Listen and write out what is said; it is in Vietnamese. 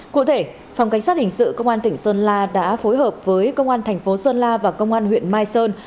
cụ thể phòng cảnh sát hình sự công an tỉnh sơn la đã phối hợp với công an thành phố sơn la và công an huyện mai sơn